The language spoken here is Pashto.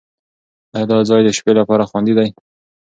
ایا دا ځای د شپې لپاره خوندي دی؟